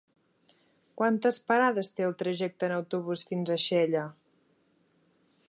Quantes parades té el trajecte en autobús fins a Xella?